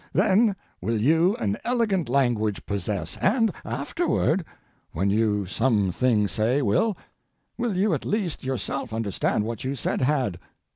Then will you an elegant language possess, and afterward, when you some thing say will, will you at least yourself understand what you said had.